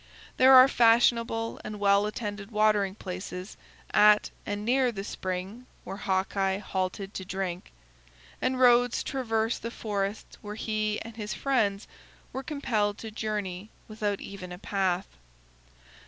There are fashionable and well attended watering places at and near the spring where Hawkeye halted to drink, and roads traverse the forests where he and his friends were compelled to journey without even a path.